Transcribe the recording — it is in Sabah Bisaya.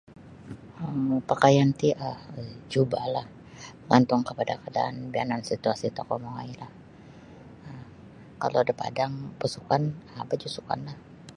Pakaian tino jubahlah begantung kepada keadaan bianan situasi tokou mongoilah. Kalau da padang besukan, um baju sukanlah.